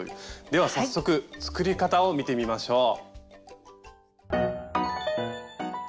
では早速作り方を見てみましょう。